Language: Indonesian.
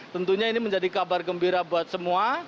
tentunya ini menjadi kabar gembira buat semua